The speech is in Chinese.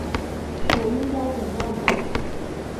我应该怎样做？